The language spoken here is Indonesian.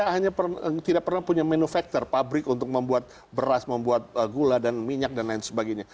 saya tidak pernah punya manufaktur pabrik untuk membuat beras membuat gula dan minyak dan lain sebagainya